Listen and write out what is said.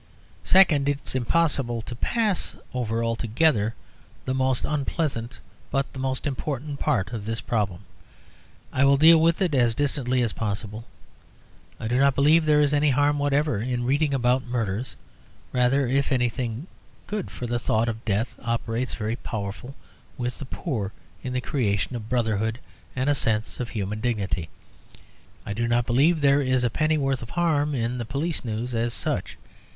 Second, it's impossible to pass over altogether the most unpleasant, but the most important part of this problem. I will deal with it as distantly as possible. I do not believe there is any harm whatever in reading about murders; rather, if anything, good; for the thought of death operates very powerfully with the poor in the creation of brotherhood and a sense of human dignity. I do not believe there is a pennyworth of harm in the police news, as such.